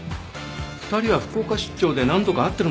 ２人は福岡出張で何度か会ってるんだっけ？